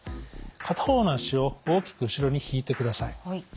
片方の足を大きく後ろに引いてください。